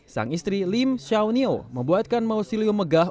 sang istri lim shao niu membuatkan mausolium megah